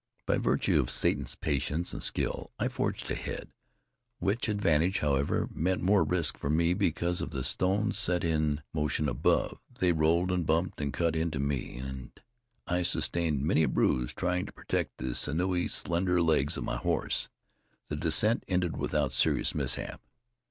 By virtue of Satan's patience and skill, I forged ahead; which advantage, however, meant more risk for me because of the stones set in motion above. They rolled and bumped and cut into me, and I sustained many a bruise trying to protect the sinewy slender legs of my horse. The descent ended without serious mishap.